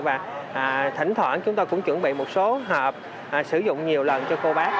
và thỉnh thoảng chúng tôi cũng chuẩn bị một số hợp sử dụng nhiều lần cho cô bác